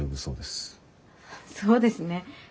そうですね。